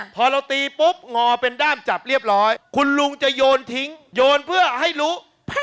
พอเราตีปุ๊บงอเป็นด้ามจับเรียบร้อยคุณลุงจะโยนทิ้งโยนเพื่อให้รู้